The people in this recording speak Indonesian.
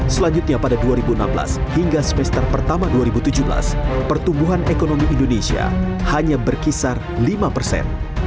selanjutnya pada dua ribu enam belas hingga semester pertama dua ribu tujuh belas pertumbuhan ekonomi indonesia hanya berkisar lima persen